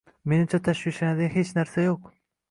Menimcha, tashvishlanadigan hech narsa yo'q